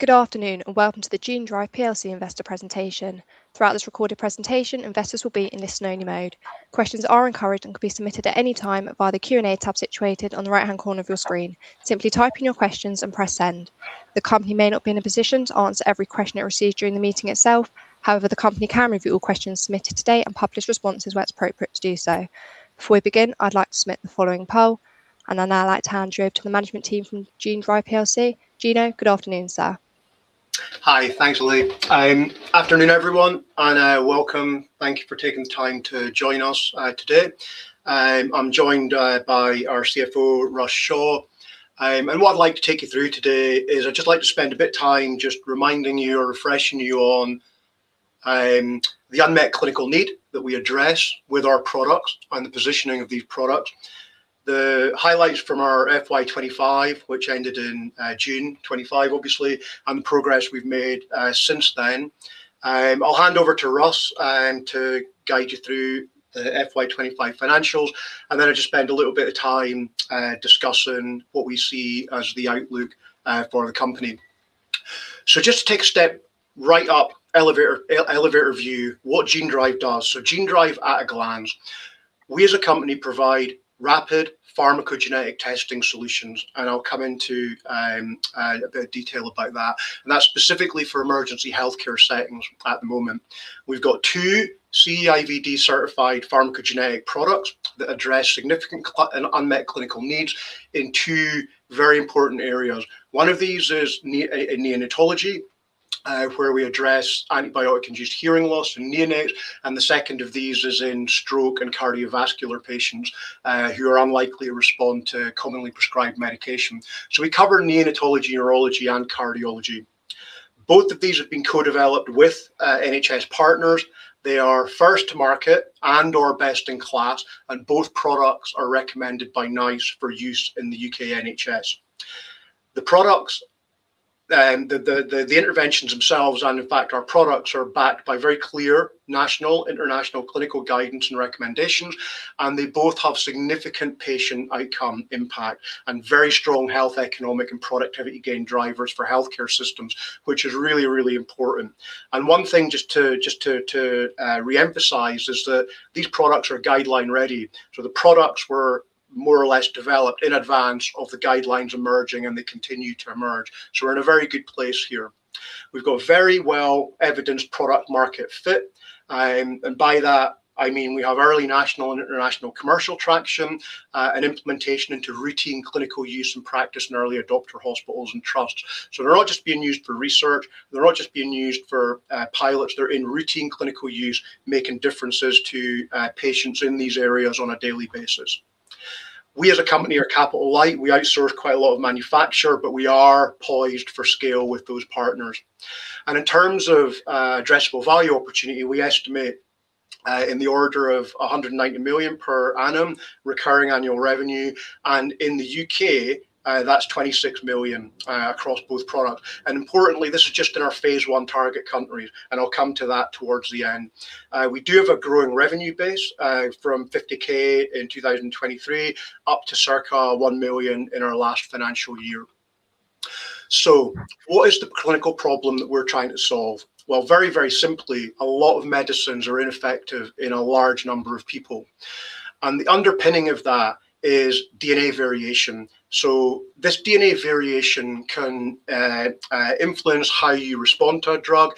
Good afternoon, and welcome to the Genedrive PLC Investor presentation. Throughout this recorded presentation, investors will be in listen-only mode. Questions are encouraged and can be submitted at any time via the Q&A tab situated on the right-hand corner of your screen. Simply type in your questions and press send. The company may not be in a position to answer every question it receives during the meeting itself; however, the company can review all questions submitted today and publish responses where it's appropriate to do so. Before we begin, I'd like to submit the following poll, and I'd now like to hand you over to the management team from Genedrive PLC. Gino, good afternoon, sir. Hi, thanks, Lily. Afternoon, everyone, and welcome. Thank you for taking the time to join us today. I'm joined by our CFO, Russ Shaw, and what I'd like to take you through today is I'd just like to spend a bit of time just reminding you or refreshing you on the unmet clinical need that we address with our products and the positioning of these products. The highlights from our FY25, which ended in June 2025, obviously, and the progress we've made since then. I'll hand over to Russ to guide you through the FY25 financials, and then I'll just spend a little bit of time discussing what we see as the outlook for the company, so just to take a step right up, elevator view, what Genedrive does. Genedrive, at a glance, we as a company provide rapid pharmacogenetic testing solutions, and I'll come into a bit of detail about that. That's specifically for emergency healthcare settings at the moment. We've got two CE-IVD-certified pharmacogenetic products that address significant unmet clinical needs in two very important areas. One of these is in neonatology, where we address antibiotic-induced hearing loss and neonates, and the second of these is in stroke and cardiovascular patients who are unlikely to respond to commonly prescribed medication. We cover neonatology, neurology, and cardiology. Both of these have been co-developed with NHS partners. They are first to market and/or best in class, and both products are recommended by NICE for use in the U.K. NHS. The products, the interventions themselves, and in fact, our products are backed by very clear national, international clinical guidance and recommendations, and they both have significant patient outcome impact and very strong health, economic, and productivity gain drivers for healthcare systems, which is really, really important. One thing just to re-emphasize is that these products are guideline-ready. The products were more or less developed in advance of the guidelines emerging, and they continue to emerge. We're in a very good place here. We've got very well-evidenced product-market fit, and by that, I mean we have early national and international commercial traction and implementation into routine clinical use and practice in early adopter hospitals and trusts. They're not just being used for research. They're not just being used for pilots. They're in routine clinical use, making differences to patients in these areas on a daily basis. We, as a company, are capital-light. We outsource quite a lot of manufacture, but we are poised for scale with those partners, and in terms of addressable value opportunity, we estimate in the order of 190 million per annum recurring annual revenue, and in the U.K., that's 26 million across both products, and importantly, this is just in our phase one target countries, and I'll come to that towards the end. We do have a growing revenue base from 50k in 2023 up to circa 1 million in our last financial year, so what is the clinical problem that we're trying to solve? Well, very, very simply, a lot of medicines are ineffective in a large number of people, and the underpinning of that is DNA variation, so this DNA variation can influence how you respond to a drug: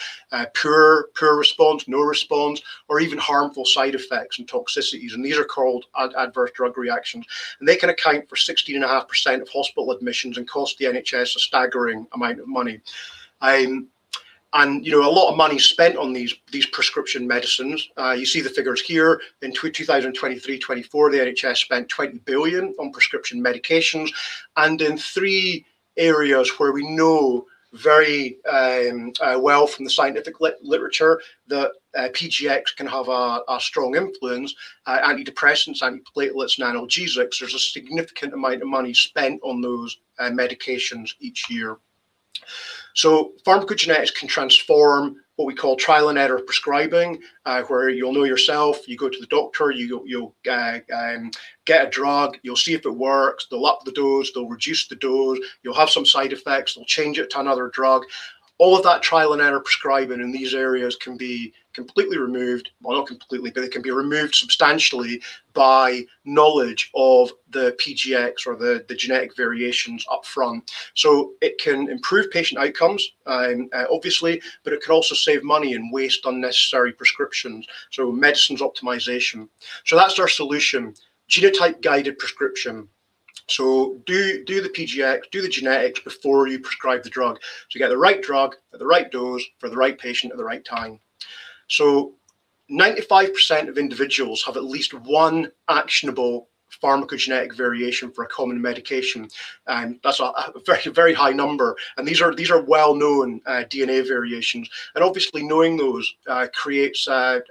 poor response, no response, or even harmful side effects and toxicities. These are called adverse drug reactions, and they can account for 16.5% of hospital admissions and cost the NHS a staggering amount of money. A lot of money is spent on these prescription medicines. You see the figures here. In 2023-24, the NHS spent 20 billion on prescription medications. In three areas where we know very well from the scientific literature that PGx can have a strong influence: antidepressants, antiplatelets, and analgesics, there's a significant amount of money spent on those medications each year. Pharmacogenetics can transform what we call trial and error prescribing, where you'll know yourself, you go to the doctor, you'll get a drug, you'll see if it works, they'll up the dose, they'll reduce the dose, you'll have some side effects, they'll change it to another drug. All of that trial and error prescribing in these areas can be completely removed, well, not completely, but it can be removed substantially by knowledge of the PGx or the genetic variations upfront, so it can improve patient outcomes, obviously, but it could also save money and waste unnecessary prescriptions, so medicines optimization. That's our solution: genotype-guided prescription. Do the PGx, do the genetics before you prescribe the drug to get the right drug at the right dose for the right patient at the right time. 95% of individuals have at least one actionable pharmacogenetic variation for a common medication. That's a very, very high number, and these are well-known DNA variations. Obviously, knowing those creates a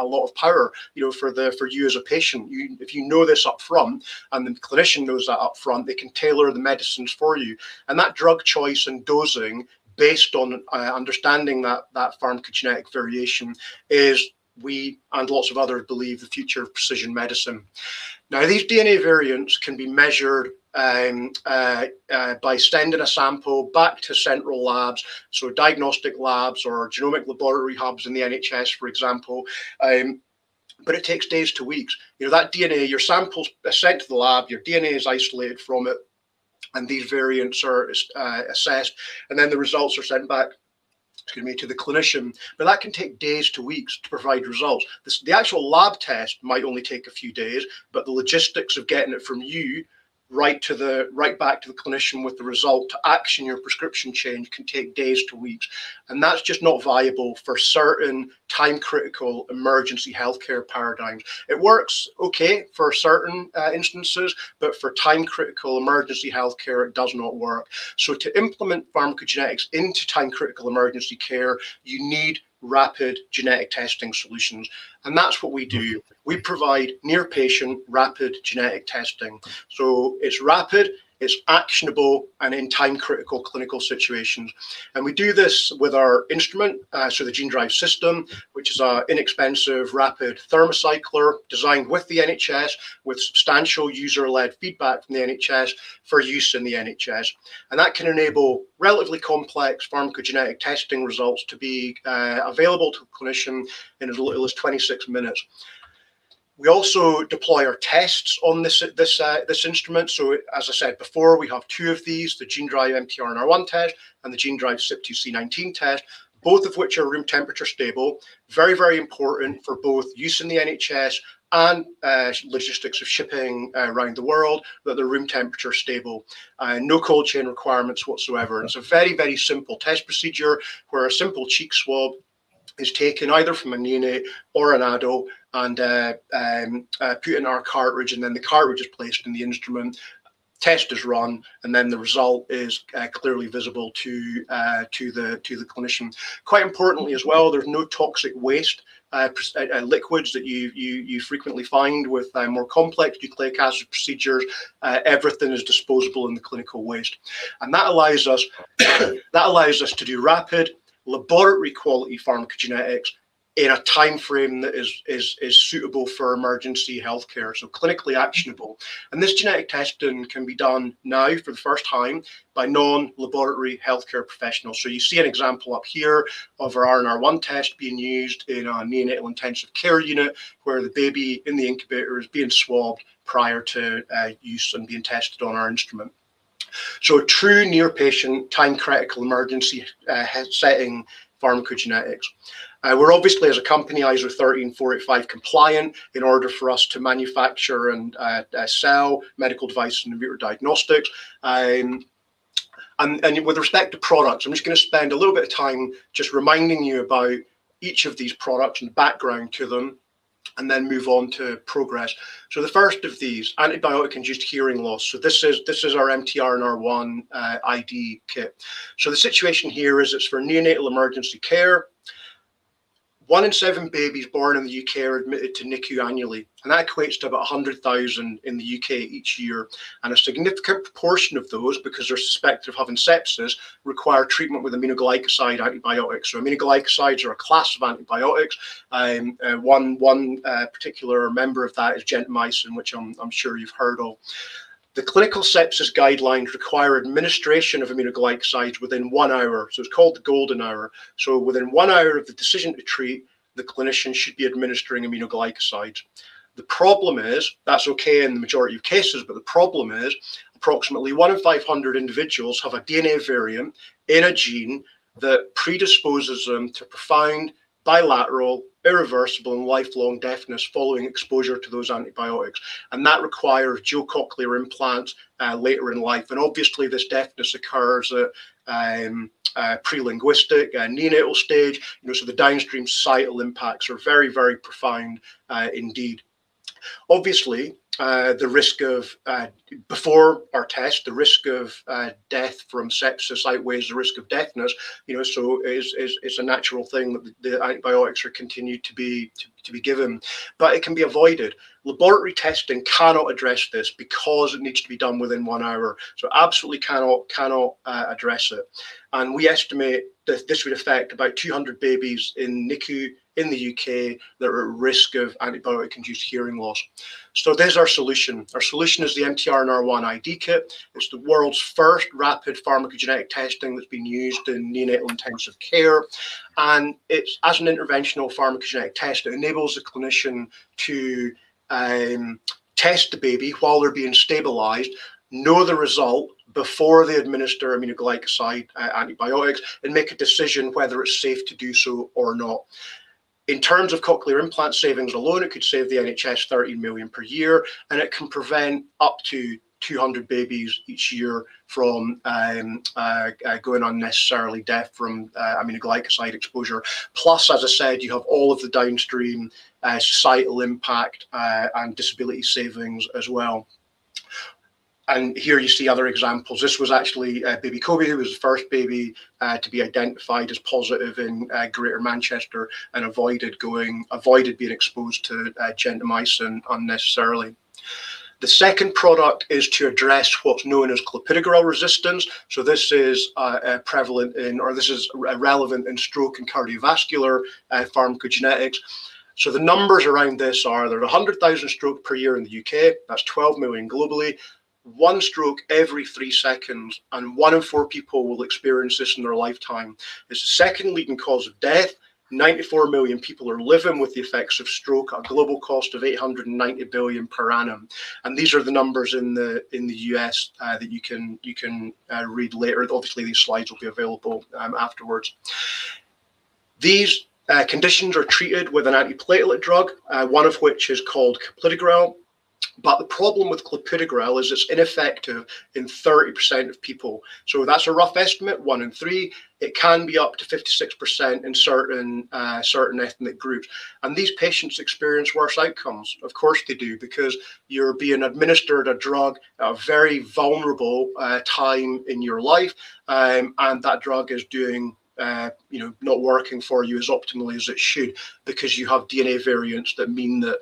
lot of power for you as a patient. If you know this upfront and the clinician knows that upfront, they can tailor the medicines for you. And that drug choice and dosing, based on understanding that pharmacogenetic variation, is. We and lots of others believe the future of precision medicine. Now, these DNA variants can be measured by sending a sample back to central labs, so diagnostic labs or genomic laboratory hubs in the NHS, for example, but it takes days to weeks. That DNA, your sample is sent to the lab, your DNA is isolated from it, and these variants are assessed, and then the results are sent back to the clinician. But that can take days to weeks to provide results. The actual lab test might only take a few days, but the logistics of getting it from you right back to the clinician with the result to action your prescription change can take days to weeks. And that's just not viable for certain time-critical emergency healthcare paradigms. It works okay for certain instances, but for time-critical emergency healthcare, it does not work, so to implement pharmacogenetics into time-critical emergency care, you need rapid genetic testing solutions, and that's what we do. We provide near-patient rapid genetic testing, so it's rapid, it's actionable, and in time-critical clinical situations, and we do this with our instrument, so the Genedrive System, which is an inexpensive rapid thermocycler designed with the NHS, with substantial user-led feedback from the NHS for use in the NHS, and that can enable relatively complex pharmacogenetic testing results to be available to a clinician in as little as 26 minutes. We also deploy our tests on this instrument. So, as I said before, we have two of these: the Genedrive MT-RNR1 test and the Genedrive CYP2C19 test, both of which are room temperature stable, very, very important for both use in the NHS and logistics of shipping around the world, that they're room temperature stable, no cold chain requirements whatsoever. And it's a very, very simple test procedure where a simple cheek swab is taken either from a neonate or an adult and put in our cartridge, and then the cartridge is placed in the instrument, test is run, and then the result is clearly visible to the clinician. Quite importantly as well, there's no toxic waste liquids that you frequently find with more complex nucleic acid procedures. Everything is disposable in the clinical waste. And that allows us to do rapid laboratory-quality pharmacogenetics in a time frame that is suitable for emergency healthcare, so clinically actionable. And this genetic testing can be done now for the first time by non-laboratory healthcare professionals. So you see an example up here of our MT-RNR1 test being used in a neonatal intensive care unit where the baby in the incubator is being swabbed prior to use and being tested on our instrument. So true near-patient, time-critical emergency setting pharmacogenetics. We're obviously, as a company, ISO 13485 compliant in order for us to manufacture and sell medical devices and in vitro diagnostics. And with respect to products, I'm just going to spend a little bit of time just reminding you about each of these products and background to them, and then move on to progress. So the first of these, antibiotic-induced hearing loss. So this is our MT-RNR1 ID Kit. So the situation here is it's for neonatal emergency care. One in seven babies born in the U.K. are admitted to NICU annually, and that equates to about 100,000 in the U.K. each year. And a significant portion of those, because they're suspected of having sepsis, require treatment with aminoglycoside antibiotics. So aminoglycosides are a class of antibiotics. One particular member of that is gentamicin, which I'm sure you've heard of. The clinical sepsis guidelines require administration of aminoglycosides within one hour. So it's called the golden hour. So within one hour of the decision to treat, the clinician should be administering aminoglycosides. The problem is, that's okay in the majority of cases, but the problem is approximately one in 500 individuals have a DNA variant in a gene that predisposes them to profound bilateral, irreversible, and lifelong deafness following exposure to those antibiotics. And that requires cochlear implants later in life. And obviously, this deafness occurs at prelinguistic and neonatal stage. So the downstream societal impacts are very, very profound indeed. Obviously, the risk of, before our test, the risk of death from sepsis outweighs the risk of deafness. So it's a natural thing that the antibiotics are continued to be given, but it can be avoided. Laboratory testing cannot address this because it needs to be done within one hour. So absolutely cannot address it. And we estimate that this would affect about 200 babies in NICU in the U.K. that are at risk of antibiotic-induced hearing loss. So there's our solution. Our solution is the MT-RNR1 ID Kit. It's the world's first rapid pharmacogenetic testing that's been used in neonatal intensive care. As an interventional pharmacogenetic test, it enables the clinician to test the baby while they're being stabilized, know the result before they administer aminoglycoside antibiotics, and make a decision whether it's safe to do so or not. In terms of cochlear implant savings alone, it could save the NHS 30 million per year, and it can prevent up to 200 babies each year from going unnecessarily deaf from aminoglycoside exposure. Plus, as I said, you have all of the downstream societal impact and disability savings as well. Here you see other examples. This was actually baby Kobe, who was the first baby to be identified as positive in Greater Manchester and avoided being exposed to gentamicin unnecessarily. The second product is to address what's known as clopidogrel resistance. So this is prevalent in, or this is relevant in stroke and cardiovascular pharmacogenetics. The numbers around this are, there are 100,000 strokes per year in the U.K. That's 12 million globally. One stroke every three seconds, and one in four people will experience this in their lifetime. It's the second leading cause of death. 94 million people are living with the effects of stroke at a global cost of 890 billion per annum. And these are the numbers in the U.S. that you can read later. Obviously, these slides will be available afterwards. These conditions are treated with an antiplatelet drug, one of which is called clopidogrel. But the problem with clopidogrel is it's ineffective in 30% of people. So that's a rough estimate, one in three. It can be up to 56% in certain ethnic groups. And these patients experience worse outcomes. Of course they do, because you're being administered a drug at a very vulnerable time in your life, and that drug is not working for you as optimally as it should because you have DNA variants that mean that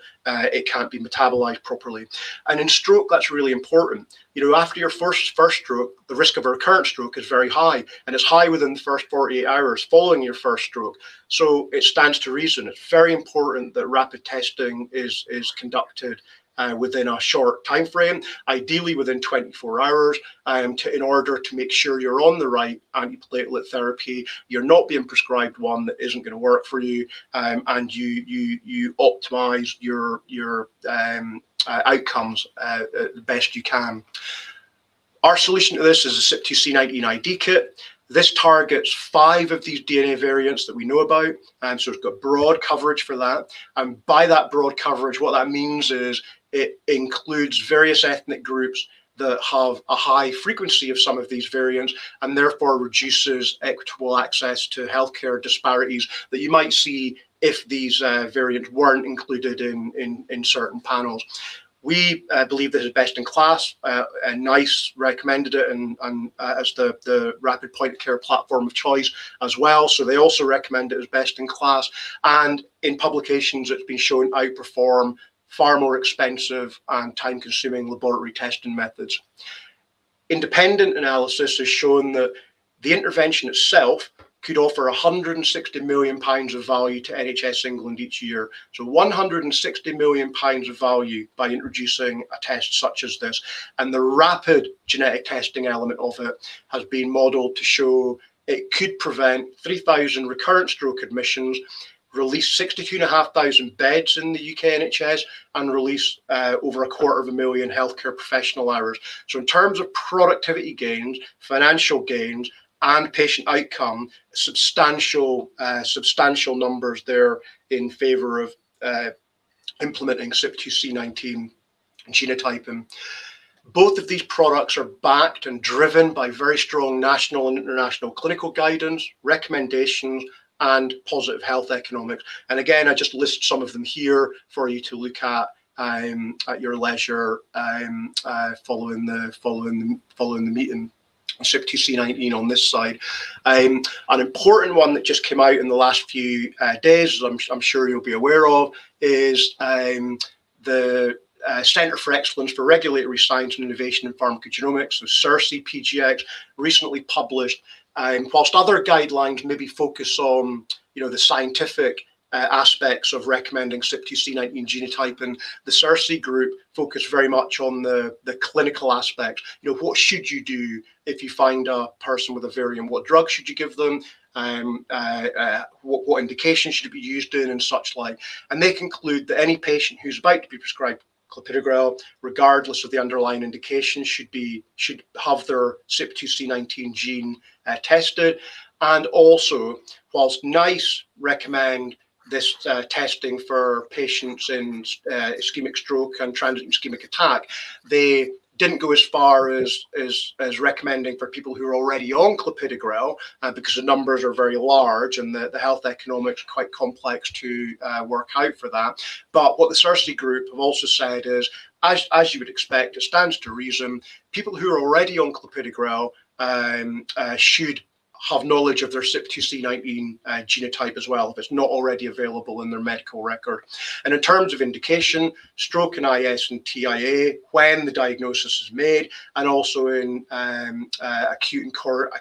it can't be metabolized properly, and in stroke, that's really important. After your first stroke, the risk of a recurrent stroke is very high, and it's high within the first 48 hours following your first stroke, so it stands to reason. It's very important that rapid testing is conducted within a short time frame, ideally within 24 hours, in order to make sure you're on the right antiplatelet therapy, you're not being prescribed one that isn't going to work for you, and you optimize your outcomes the best you can. Our solution to this is the CYP2C19 ID Kit. This targets five of these DNA variants that we know about, and so it's got broad coverage for that and by that broad coverage, what that means is it includes various ethnic groups that have a high frequency of some of these variants, and therefore reduces equitable access to healthcare disparities that you might see if these variants weren't included in certain panels. We believe this is best in class. NICE recommended it as the rapid point of care platform of choice as well, so they also recommend it as best in class and in publications, it's been shown outperform far more expensive and time-consuming laboratory testing methods. Independent analysis has shown that the intervention itself could offer 160 million pounds of value to NHS England each year, so 160 million pounds of value by introducing a test such as this. The rapid genetic testing element of it has been modeled to show it could prevent 3,000 recurrent stroke admissions, release 62,500 beds in the U.K. NHS, and release over a quarter of a million healthcare professional hours. So in terms of productivity gains, financial gains, and patient outcome, substantial numbers there in favor of implementing CYP2C19 genotyping. Both of these products are backed and driven by very strong national and international clinical guidance, recommendations, and positive health economics. I just list some of them here for you to look at your leisure following the meeting. CYP2C19 on this side. An important one that just came out in the last few days, as I'm sure you'll be aware of, is the Center of Excellence in Regulatory Science and Innovation in Pharmacogenomics, so CERSI PGx, recently published. While other guidelines may be focus on the scientific aspects of recommending CYP2C19 genotyping, the CERSI group focused very much on the clinical aspects. What should you do if you find a person with a variant? What drug should you give them? What indication should it be used in and such like? And they conclude that any patient who's about to be prescribed clopidogrel, regardless of the underlying indication, should have their CYP2C19 gene tested. And also, while NICE recommends this testing for patients in ischemic stroke and transient ischemic attack, they didn't go as far as recommending for people who are already on clopidogrel, because the numbers are very large and the health economics are quite complex to work out for that. But what the CERSI group have also said is, as you would expect, it stands to reason. People who are already on clopidogrel should have knowledge of their CYP2C19 genotype as well, if it's not already available in their medical record, and in terms of indication, stroke and IS and TIA, when the diagnosis is made, and also in acute and chronic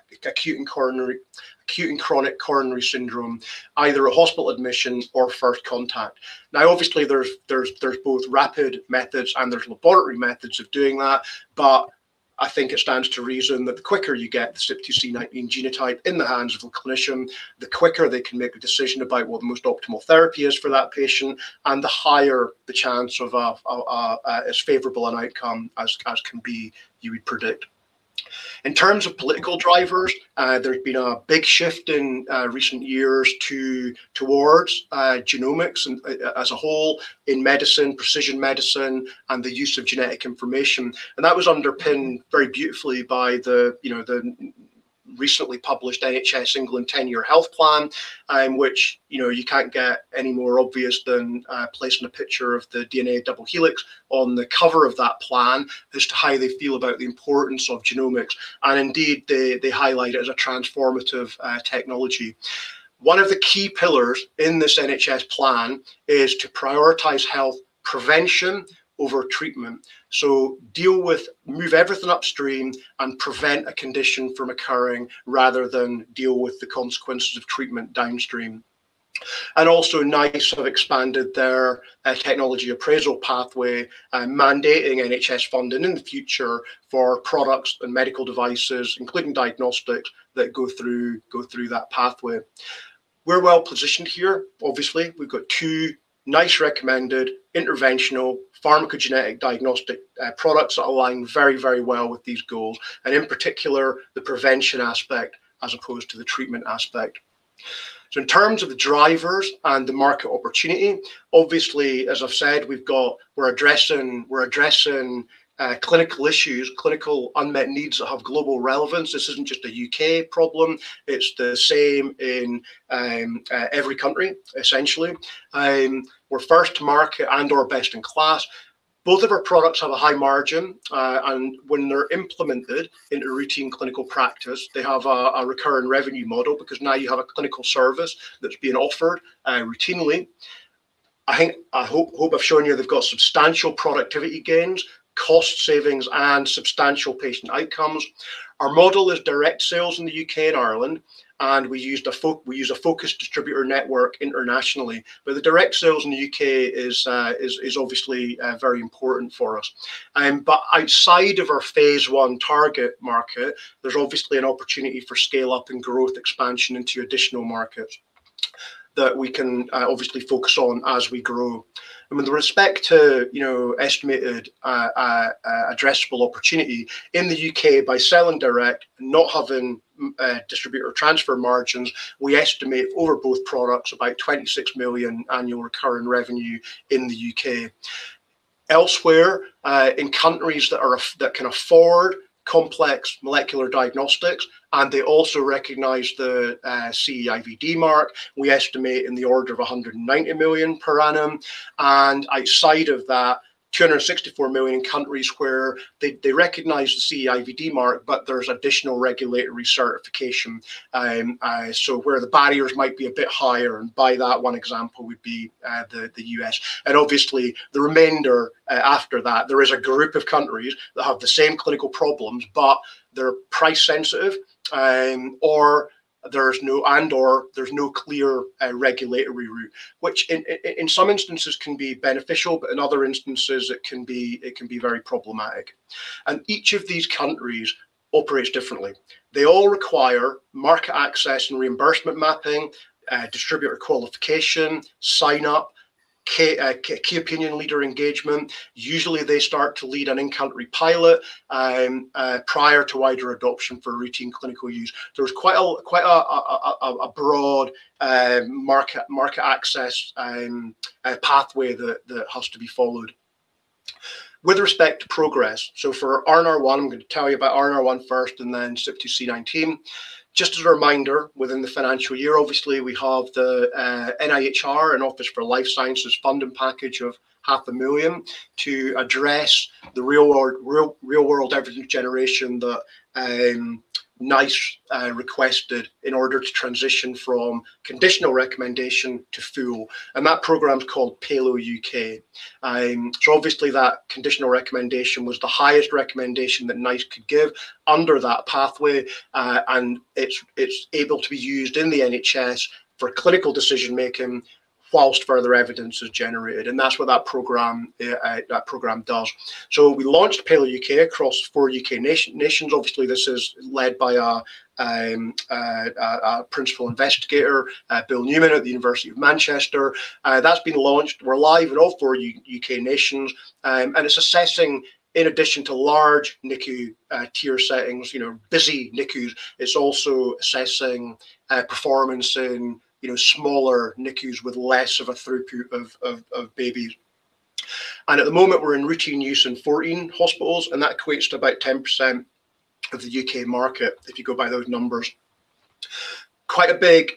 coronary syndrome, either a hospital admission or first contact. Now, obviously, there's both rapid methods and there's laboratory methods of doing that, but I think it stands to reason that the quicker you get the CYP2C19 genotype in the hands of a clinician, the quicker they can make a decision about what the most optimal therapy is for that patient, and the higher the chance of as favorable an outcome as can be, you would predict. In terms of political drivers, there's been a big shift in recent years towards genomics as a whole in medicine, precision medicine, and the use of genetic information. And that was underpinned very beautifully by the recently published NHS England 10 Year Health Plan, which you can't get any more obvious than placing a picture of the DNA double helix on the cover of that plan as to how they feel about the importance of genomics. And indeed, they highlight it as a transformative technology. One of the key pillars in this NHS plan is to prioritize health prevention over treatment. So deal with, move everything upstream and prevent a condition from occurring rather than deal with the consequences of treatment downstream. And also, NICE have expanded their technology appraisal pathway, mandating NHS funding in the future for products and medical devices, including diagnostics, that go through that pathway. We're well positioned here, obviously. We've got two NICE-recommended interventional pharmacogenetic diagnostic products that align very, very well with these goals, and in particular, the prevention aspect as opposed to the treatment aspect. So in terms of the drivers and the market opportunity, obviously, as I've said, we're addressing clinical issues, clinical unmet needs that have global relevance. This isn't just a U.K. problem. It's the same in every country, essentially. We're first to market and our best in class. Both of our products have a high margin, and when they're implemented into routine clinical practice, they have a recurrent revenue model because now you have a clinical service that's being offered routinely. I hope I've shown you they've got substantial productivity gains, cost savings, and substantial patient outcomes. Our model is direct sales in the U.K. and Ireland, and we use a focused distributor network internationally. But the direct sales in the U.K. is obviously very important for us. But outside of our phase one target market, there's obviously an opportunity for scale-up and growth expansion into additional markets that we can obviously focus on as we grow. And with respect to estimated addressable opportunity, in the U.K., by selling direct and not having distributor transfer margins, we estimate over both products about 26 million annual recurrent revenue in the U.K. Elsewhere, in countries that can afford complex molecular diagnostics, and they also recognize the CE-IVD mark, we estimate in the order of 190 million per annum. And outside of that, 264 million in countries where they recognize the CE-IVD mark, but there's additional regulatory certification. So where the barriers might be a bit higher, and by that one example would be the U.S. Obviously, the remainder after that, there is a group of countries that have the same clinical problems, but they're price sensitive, or there's no clear regulatory route, which in some instances can be beneficial, but in other instances, it can be very problematic. Each of these countries operates differently. They all require market access and reimbursement mapping, distributor qualification, sign-up, key opinion leader engagement. Usually, they start to lead an in-country pilot prior to wider adoption for routine clinical use. There's quite a broad market access pathway that has to be followed. With respect to progress, so for MT-RNR1, I'm going to tell you about MT-RNR1 first and then CYP2C19. Just as a reminder, within the financial year, obviously, we have the NIHR and Office for Life Sciences funding package of 500,000 to address the real-world evidence generation that NICE requested in order to transition from conditional recommendation to full. And that program's called PALOH U.K. So obviously, that conditional recommendation was the highest recommendation that NICE could give under that pathway, and it's able to be used in the NHS for clinical decision-making whilst further evidence is generated. And that's what that program does. So we launched PALOH U.K. across four U.K. nations. Obviously, this is led by our principal investigator, Bill Newman at the University of Manchester. That's been launched. We're live in all four U.K. nations. And it's assessing, in addition to large NICU tier settings, busy NICUs, it's also assessing performance in smaller NICUs with less of a throughput of babies. At the moment, we're in routine use in 14 hospitals, and that equates to about 10% of the U.K. market if you go by those numbers. Quite a big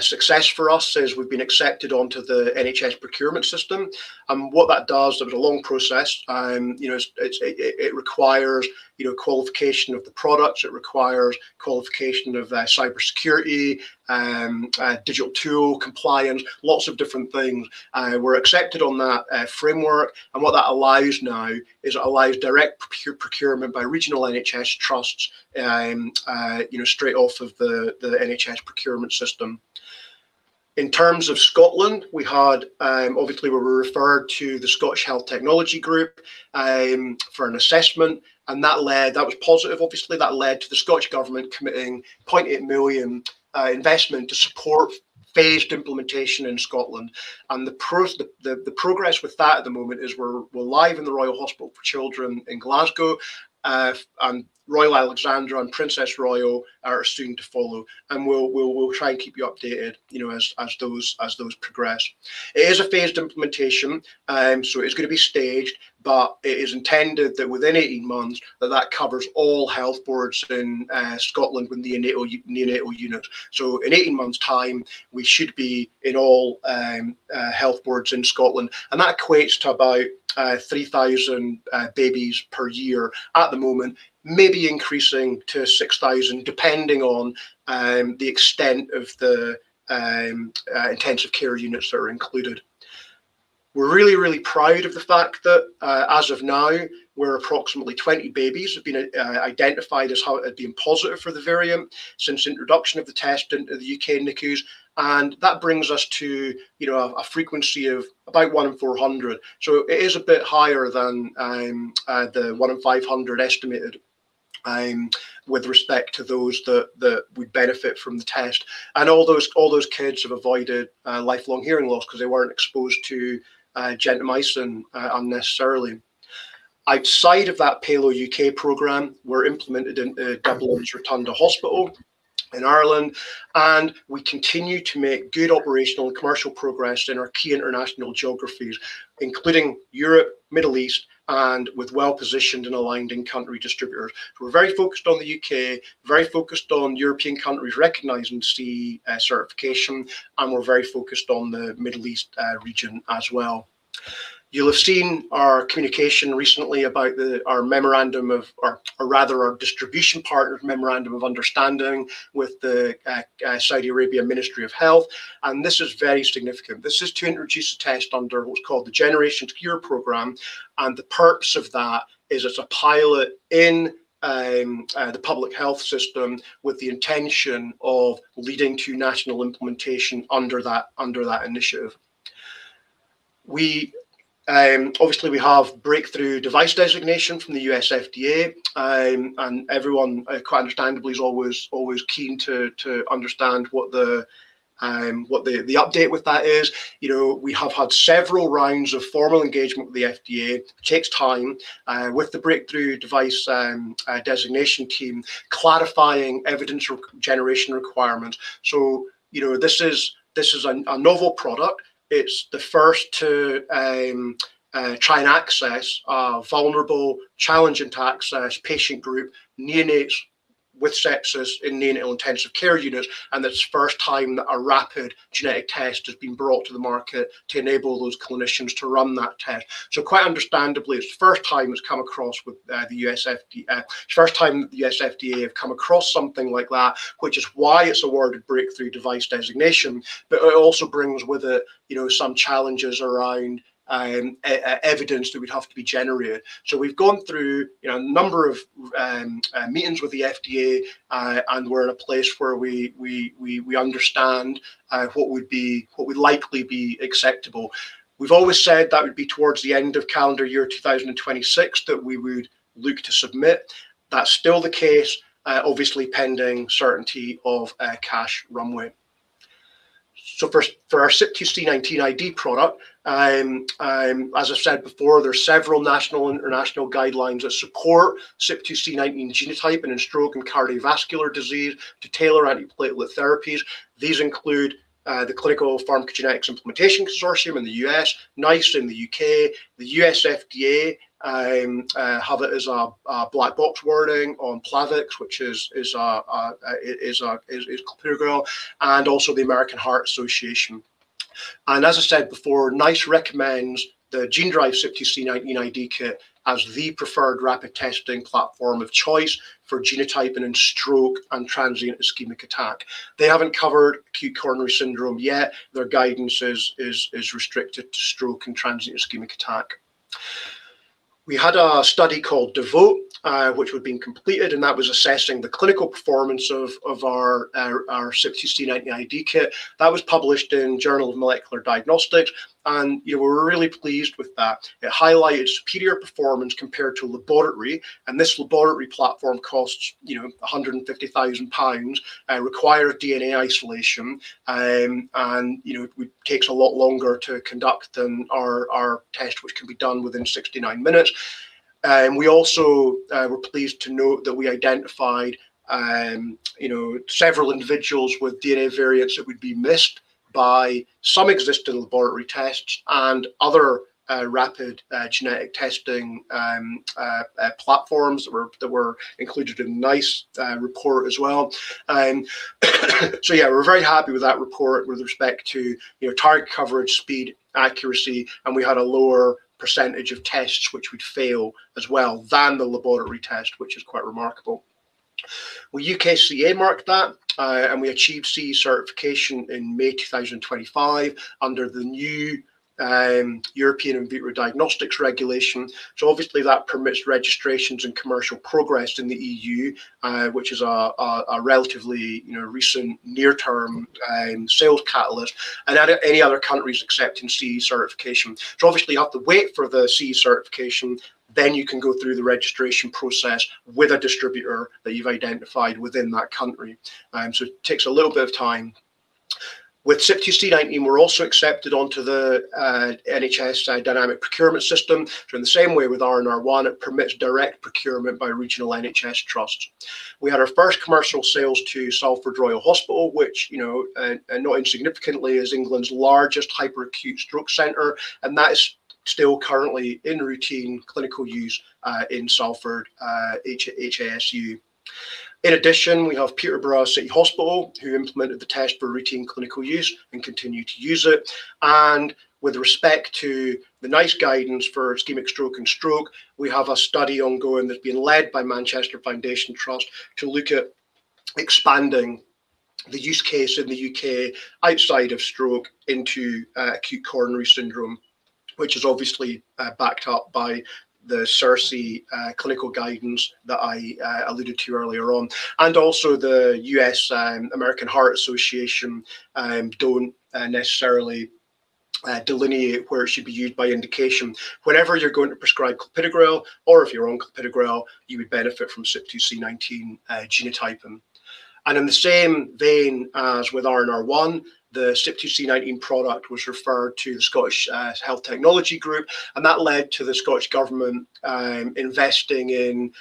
success for us is we've been accepted onto the NHS procurement system. What that does is there was a long process. It requires qualification of the products. It requires qualification of cybersecurity, digital tool compliance, lots of different things. We're accepted on that framework. What that allows now is it allows direct procurement by regional NHS trusts straight off of the NHS procurement system. In terms of Scotland, we had, obviously, we were referred to the Scottish Health Technology Group for an assessment, and that was positive. Obviously, that led to the Scottish Government committing 0.8 million investment to support phased implementation in Scotland. The progress with that at the moment is we're live in the Royal Hospital for Children in Glasgow, and Royal Alexandra and Princess Royal are soon to follow. We'll try and keep you updated as those progress. It is a phased implementation, so it's going to be staged, but it is intended that within 18 months, that covers all health boards in Scotland with the NICU. In 18 months' time, we should be in all health boards in Scotland. That equates to about 3,000 babies per year at the moment, maybe increasing to 6,000, depending on the extent of the intensive care units that are included. We're really, really proud of the fact that as of now, approximately 20 babies have been identified as being positive for the variant since introduction of the test into the U.K. NICUs. That brings us to a frequency of about one in 400. So it is a bit higher than the one in 500 estimated with respect to those that would benefit from the test. And all those kids have avoided lifelong hearing loss because they weren't exposed to gentamicin unnecessarily. Outside of that PALOH U.K. program, we're implemented in Dublin's Rotunda Hospital in Ireland, and we continue to make good operational and commercial progress in our key international geographies, including Europe, Middle East, and with well-positioned and aligned in-country distributors. We're very focused on the U.K., very focused on European countries recognizing CE certification, and we're very focused on the Middle East region as well. You'll have seen our communication recently about our memorandum of, or rather our distribution partner's memorandum of understanding with the Saudi Arabia Ministry of Health. And this is very significant. This is to introduce a test under what's called the Generation Secure Program, and the purpose of that is it's a pilot in the public health system with the intention of leading to national implementation under that initiative. Obviously, we have breakthrough device designation from the U.S. FDA, and everyone, quite understandably, is always keen to understand what the update with that is. We have had several rounds of formal engagement with the FDA, takes time with the breakthrough device designation team, clarifying evidence generation requirements, so this is a novel product. It's the first to try and access a vulnerable, challenging to access patient group, neonates with sepsis in neonatal intensive care units, and it's the first time that a rapid genetic test has been brought to the market to enable those clinicians to run that test. So quite understandably, it's the first time it's come across with the U.S. FDA. It's the first time the U.S. FDA have come across something like that, which is why it's awarded Breakthrough Device Designation, but it also brings with it some challenges around evidence that would have to be generated. So we've gone through a number of meetings with the FDA, and we're in a place where we understand what would likely be acceptable. We've always said that would be towards the end of calendar year 2026 that we would look to submit. That's still the case, obviously pending certainty of cash runway. So for our CYP2C19 ID product, as I've said before, there are several national and international guidelines that support CYP2C19 genotype and in stroke and cardiovascular disease to tailor antiplatelet therapies. These include the Clinical Pharmacogenetics Implementation Consortium in the U.S., NICE in the U.K., the U.S. FDA have it as a black box wording on Plavix, which is clopidogrel, and also the American Heart Association, and as I said before, NICE recommends the Genedrive CYP2C19 ID Kit as the preferred rapid testing platform of choice for genotyping in stroke and transient ischemic attack. They haven't covered acute coronary syndrome yet. Their guidance is restricted to stroke and transient ischemic attack. We had a study called The VOTE, which had been completed, and that was assessing the clinical performance of our CYP2C19 ID Kit. That was published in Journal of Molecular Diagnostics, and we were really pleased with that. It highlighted superior performance compared to a laboratory, and this laboratory platform costs 150,000 pounds, requires DNA isolation, and it takes a lot longer to conduct than our test, which can be done within 69 minutes. We also were pleased to note that we identified several individuals with DNA variants that would be missed by some existing laboratory tests and other rapid genetic testing platforms that were included in NICE report as well. So yeah, we're very happy with that report with respect to target coverage, speed, accuracy, and we had a lower percentage of tests which would fail as well than the laboratory test, which is quite remarkable. We U.K.CA marked that, and we achieved CE certification in May 2025 under the new European In Vitro Diagnostics Regulation. So obviously, that permits registrations and commercial progress in the EU, which is a relatively recent near-term sales catalyst, and any other countries accepting CE certification. So obviously, you have to wait for the CE certification, then you can go through the registration process with a distributor that you've identified within that country. So it takes a little bit of time. With CYP2C19, we're also accepted onto the NHS dynamic procurement system. So in the same way with RNR1, it permits direct procurement by regional NHS trusts. We had our first commercial sales to Salford Royal Hospital, which, not insignificantly, is England's largest hyperacute stroke center, and that is still currently in routine clinical use in Salford HASU. In addition, we have Peterborough City Hospital, who implemented the test for routine clinical use and continue to use it. With respect to the NICE guidance for ischemic stroke and stroke, we have a study ongoing that's been led by Manchester University NHS Foundation Trust to look at expanding the use case in the U.K. outside of stroke into acute coronary syndrome, which is obviously backed up by the CERSI clinical guidance that I alluded to earlier on. Also, the American Heart Association does not necessarily delineate where it should be used by indication. Whenever you're going to prescribe clopidogrel, or if you're on clopidogrel, you would benefit from CYP2C19 genotyping. In the same vein as with RNR1, the CYP2C19 product was referred to the Scottish Health Technology Group, and that led to the Scottish government investing in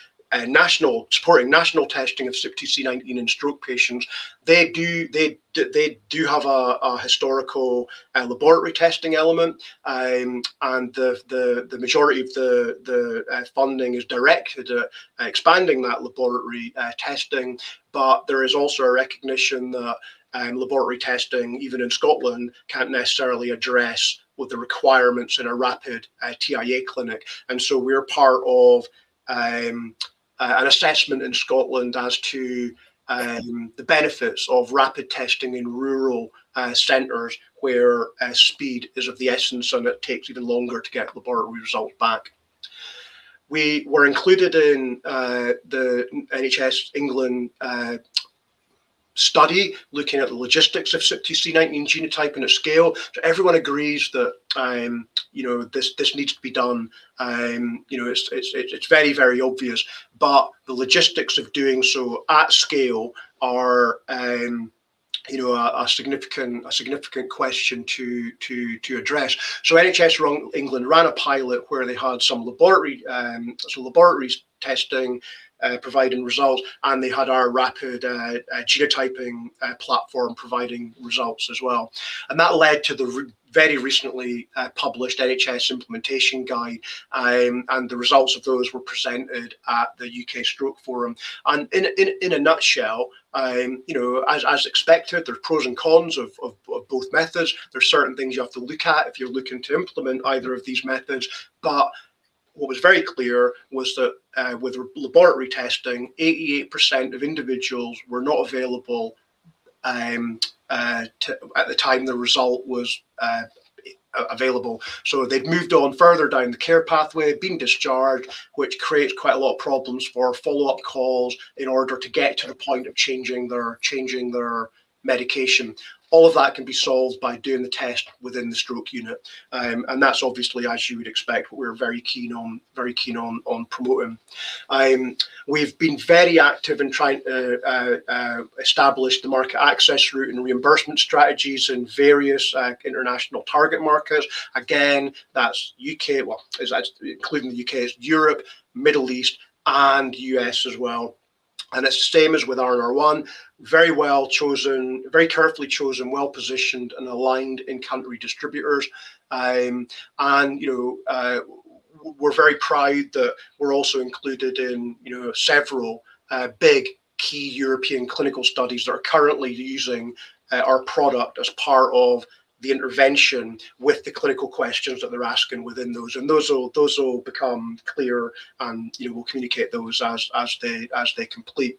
supporting national testing of CYP2C19 in stroke patients. They do have a historical laboratory testing element, and the majority of the funding is directed at expanding that laboratory testing, but there is also a recognition that laboratory testing, even in Scotland, can't necessarily address with the requirements in a rapid TIA clinic, and so we're part of an assessment in Scotland as to the benefits of rapid testing in rural centers where speed is of the essence, and it takes even longer to get laboratory results back. We were included in the NHS England study looking at the logistics of CYP2C19 genotype and its scale, so everyone agrees that this needs to be done. It's very, very obvious, but the logistics of doing so at scale are a significant question to address, so NHS England ran a pilot where they had some laboratory testing providing results, and they had our rapid genotyping platform providing results as well. And that led to the very recently published NHS implementation guide, and the results of those were presented at the U.K. Stroke Forum. And in a nutshell, as expected, there's pros and cons of both methods. There are certain things you have to look at if you're looking to implement either of these methods, but what was very clear was that with laboratory testing, 88% of individuals were not available at the time the result was available. So they've moved on further down the care pathway, been discharged, which creates quite a lot of problems for follow-up calls in order to get to the point of changing their medication. All of that can be solved by doing the test within the stroke unit, and that's obviously, as you would expect, what we're very keen on promoting. We've been very active in trying to establish the market access route and reimbursement strategies in various international target markets. Again, that's U.K., well, including the U.K., Europe, Middle East, and U.S. as well. It's the same as with RNR1, very well chosen, very carefully chosen, well positioned, and aligned in-country distributors. We're very proud that we're also included in several big key European clinical studies that are currently using our product as part of the intervention with the clinical questions that they're asking within those. Those will become clear, and we'll communicate those as they complete.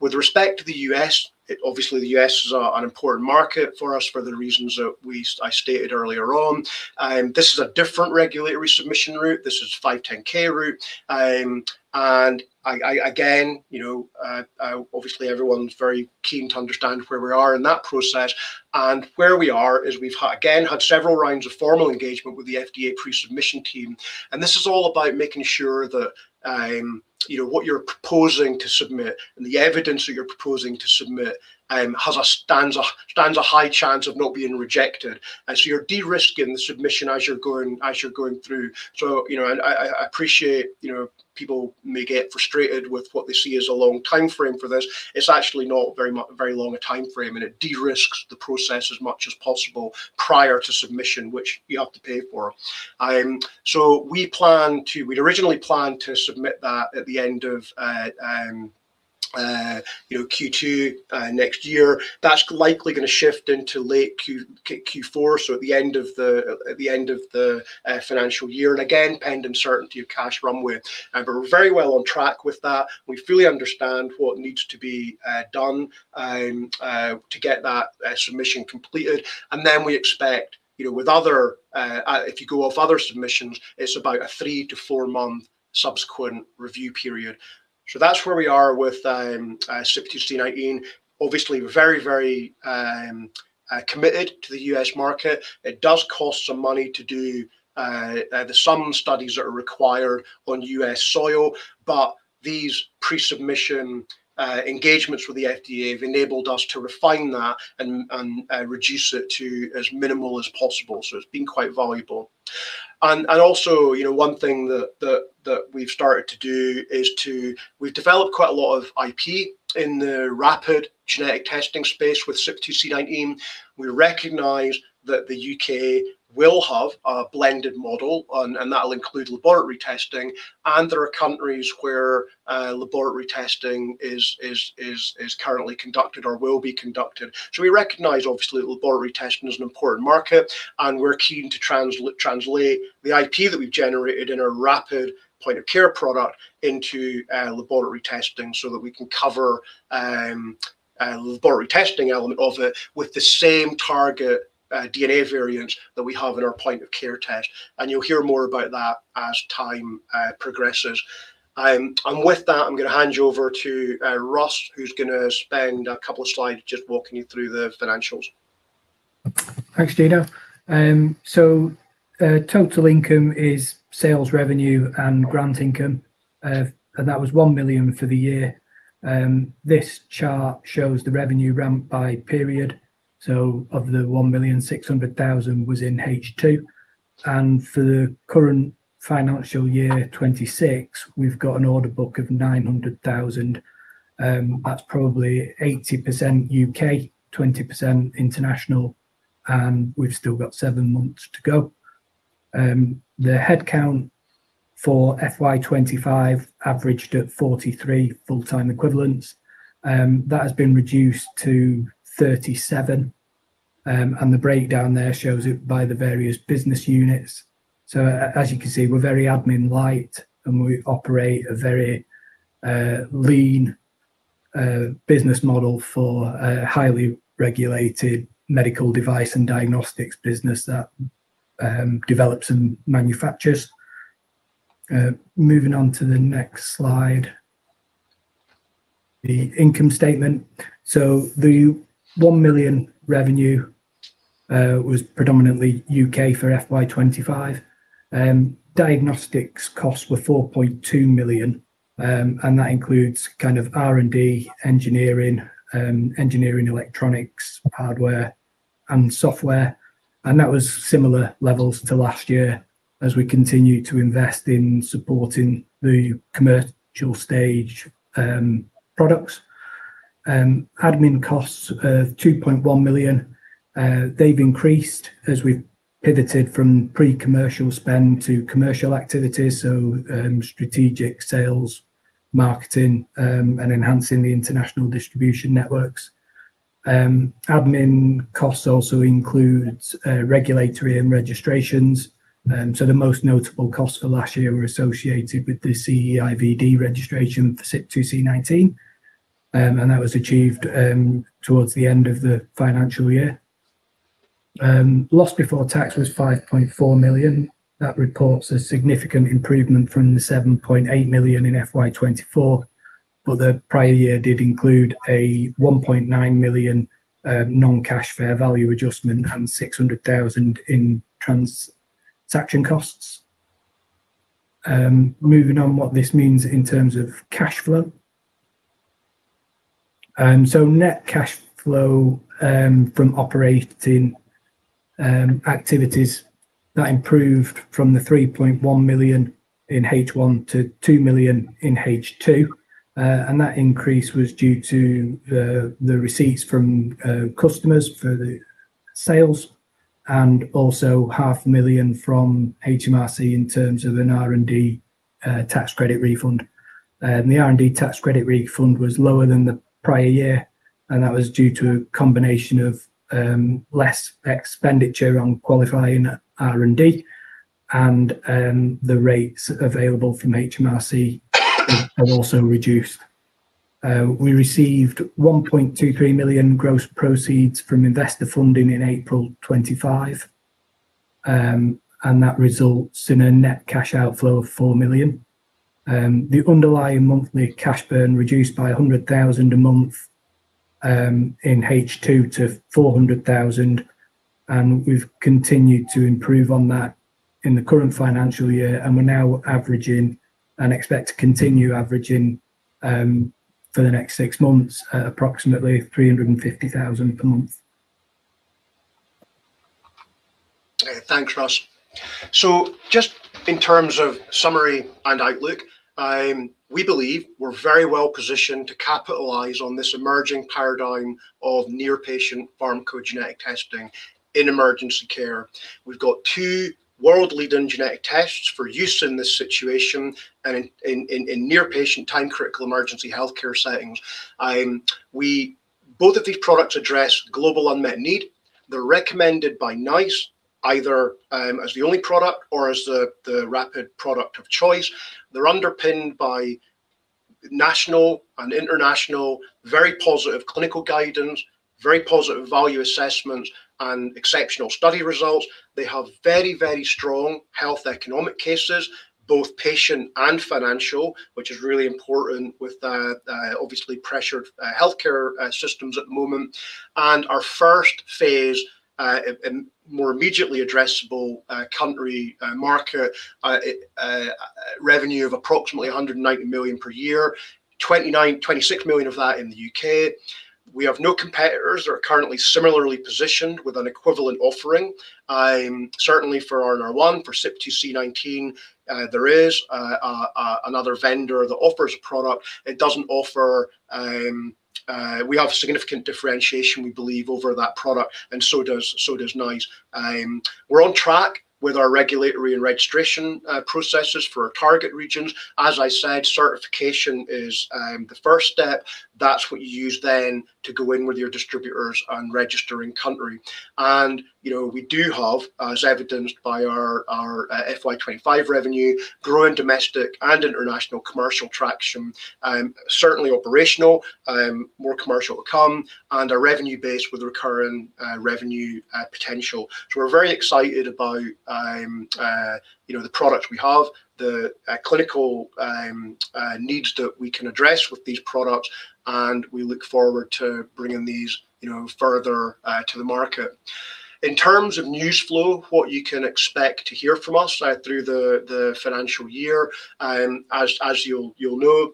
With respect to the U.S., obviously, the U.S. is an important market for us for the reasons that I stated earlier on. This is a different regulatory submission route. This is 510(k) route. Again, obviously, everyone's very keen to understand where we are in that process. And where we are is we've again had several rounds of formal engagement with the FDA pre-submission team. And this is all about making sure that what you're proposing to submit and the evidence that you're proposing to submit stands a high chance of not being rejected. And so you're de-risking the submission as you're going through. So I appreciate people may get frustrated with what they see as a long timeframe for this. It's actually not a very long timeframe, and it de-risks the process as much as possible prior to submission, which you have to pay for. So we originally planned to submit that at the end of Q2 next year. That's likely going to shift into late Q4, so at the end of the financial year, and again, pending certainty of cash runway. But we're very well on track with that. We fully understand what needs to be done to get that submission completed, and then we expect, if you go off other submissions, it's about a three-to-four-month subsequent review period, so that's where we are with CYP2C19. Obviously, we're very, very committed to the U.S. market. It does cost some money to do some studies that are required on U.S. soil, but these pre-submission engagements with the FDA have enabled us to refine that and reduce it to as minimal as possible, so it's been quite valuable, and also, one thing that we've started to do is we've developed quite a lot of IP in the rapid genetic testing space with CYP2C19. We recognize that the U.K. will have a blended model, and that'll include laboratory testing, and there are countries where laboratory testing is currently conducted or will be conducted. We recognize, obviously, that laboratory testing is an important market, and we're keen to translate the IP that we've generated in a rapid point-of-care product into laboratory testing so that we can cover the laboratory testing element of it with the same target DNA variants that we have in our point-of-care test. You'll hear more about that as time progresses. With that, I'm going to hand you over to Russ, who's going to spend a couple of slides just walking you through the financials. Thanks, Gino. Total income is sales revenue and grant income, and that was 1 million for the year. This chart shows the revenue ramp by period. Of the 1,600,000 was in H2. For the current financial year 2026, we've got an order book of 900,000. That's probably 80% U.K., 20% international, and we've still got seven months to go. The headcount for FY25 averaged at 43 full-time equivalents. That has been reduced to 37, and the breakdown there shows it by the various business units. So as you can see, we're very admin-light, and we operate a very lean business model for a highly regulated medical device and diagnostics business that develops and manufactures. Moving on to the next slide, the income statement. So the 1 million revenue was predominantly U.K. for FY25. Diagnostics costs were 4.2 million, and that includes kind of R&D, engineering, engineering electronics, hardware, and software. And that was similar levels to last year as we continue to invest in supporting the commercial stage products. Admin costs of 2.1 million. They've increased as we've pivoted from pre-commercial spend to commercial activities, so strategic sales, marketing, and enhancing the international distribution networks. Admin costs also include regulatory and registrations. The most notable costs for last year were associated with the CE-IVD registration for CYP2C19, and that was achieved towards the end of the financial year. Loss before tax was 5.4 million. That reports a significant improvement from the 7.8 million in FY24, but the prior year did include a 1.9 million non-cash fair value adjustment and 600,000 in transaction costs. Moving on, what this means in terms of cash flow. Net cash flow from operating activities, that improved from the 3.1 million in H1 to 2 million in H2. And that increase was due to the receipts from customers for the sales and also 5 million from HMRC in terms of an R&D tax credit refund. The R&D tax credit refund was lower than the prior year, and that was due to a combination of less expenditure on qualifying R&D, and the rates available from HMRC have also reduced. We received 1.23 million gross proceeds from investor funding in April 2025, and that results in a net cash outflow of 4 million. The underlying monthly cash burn reduced by 100,000 a month in H2 to 400,000, and we've continued to improve on that in the current financial year, and we're now averaging and expect to continue averaging for the next six months at approximately 350,000 per month. Thanks, Russ. So just in terms of summary and outlook, we believe we're very well positioned to capitalize on this emerging paradigm of near-patient pharmacogenetic testing in emergency care. We've got two world-leading genetic tests for use in this situation and in near-patient time-critical emergency healthcare settings. Both of these products address global unmet need. They're recommended by NICE either as the only product or as the rapid product of choice. They're underpinned by national and international very positive clinical guidance, very positive value assessments, and exceptional study results. They have very, very strong health economic cases, both patient and financial, which is really important with obviously pressured healthcare systems at the moment. And our first phase, a more immediately addressable country market revenue of approximately 190 million per year, 26 million of that in the U.K. We have no competitors that are currently similarly positioned with an equivalent offering. Certainly for MT-RNR1, for CYP2C19, there is another vendor that offers a product. It doesn't offer. We have significant differentiation, we believe, over that product, and so does NICE. We're on track with our regulatory and registration processes for our target regions. As I said, certification is the first step. That's what you use then to go in with your distributors and register in country. And we do have, as evidenced by our FY25 revenue, growing domestic and international commercial traction, certainly operational, more commercial to come, and a revenue base with recurring revenue potential. So we're very excited about the products we have, the clinical needs that we can address with these products, and we look forward to bringing these further to the market. In terms of news flow, what you can expect to hear from us through the financial year, as you'll know,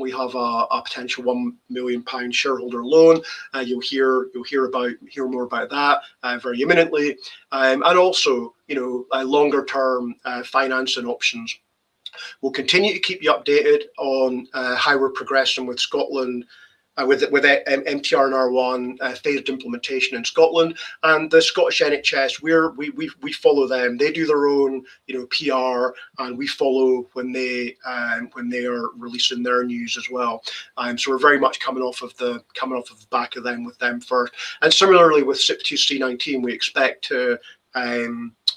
we have a potential one million pound shareholder loan. You'll hear more about that very imminently. And also longer-term financing options. We'll continue to keep you updated on how we're progressing with MT-RNR1 phased implementation in Scotland. And the Scottish NHS, we follow them. They do their own PR, and we follow when they are releasing their news as well. So we're very much coming off of the back of them with them first. And similarly, with CYP2C19, we expect to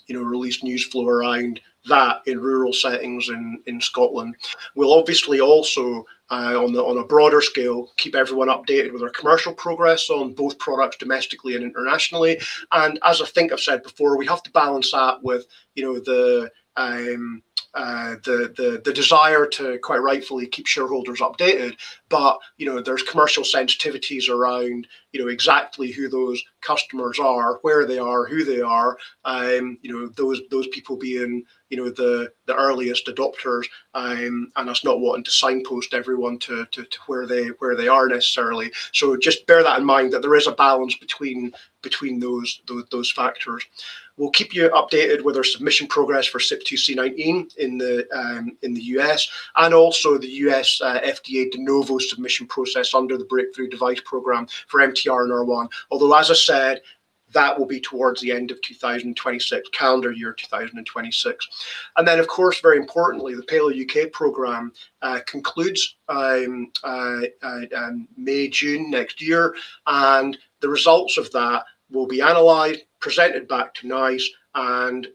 release news flow around that in rural settings in Scotland. We'll obviously also, on a broader scale, keep everyone updated with our commercial progress on both products domestically and internationally. As I think I've said before, we have to balance that with the desire to quite rightfully keep shareholders updated. There's commercial sensitivities around exactly who those customers are, where they are, who they are, those people being the earliest adopters, and us not wanting to signpost everyone to where they are necessarily. Just bear that in mind that there is a balance between those factors. We'll keep you updated with our submission progress for CYP2C19 in the U.S. and also the U.S. FDA de novo submission process under the breakthrough device program for MT-RNR1. Although, as I said, that will be towards the end of 2026, calendar year 2026. Of course, very importantly, the PALOH U.K. program concludes May, June next year, and the results of that will be analyzed, presented back to NICE. And